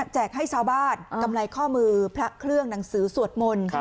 ให้ชาวบ้านกำไรข้อมือพระเครื่องหนังสือสวดมนต์